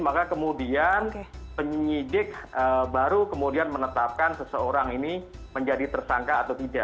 maka kemudian penyidik baru kemudian menetapkan seseorang ini menjadi tersangka atau tidak